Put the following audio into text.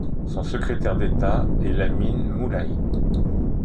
Son secrétaire d'État est Lamine Moulahi.